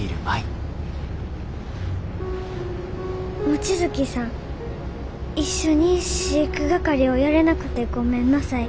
「望月さんいっしょにし育係をやれなくてごめんなさい。